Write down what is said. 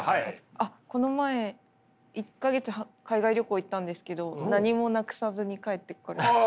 あっこの前１か月海外旅行行ったんですけど何もなくさずに帰ってこれた。